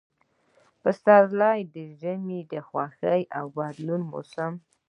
پسرلی – د ژوند، خوښۍ او بدلون موسم